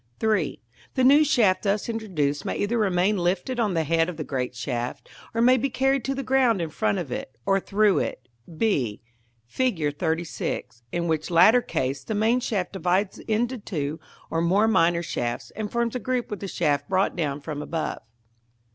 [Illustration: Fig. XXXVI.] § III. The new shaft thus introduced may either remain lifted on the head of the great shaft, or may be carried to the ground in front of it, or through it, b, Fig. XXXVI.; in which latter case the main shaft divides into two or more minor shafts, and forms a group with the shaft brought down from above.